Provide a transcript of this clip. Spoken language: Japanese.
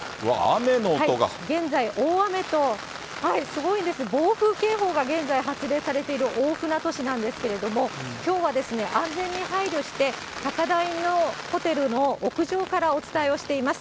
現在、大雨と、すごいんです、暴風警報が現在発令されている大船渡市なんですけれども、きょうは安全に配慮して、高台のホテルの屋上からお伝えをしています。